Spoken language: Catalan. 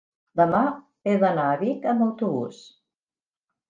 demà he d'anar a Vic amb autobús.